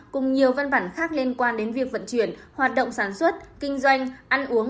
cùng nhiều văn bản khác liên quan đến việc vận chuyển hoạt động sản xuất kinh doanh ăn uống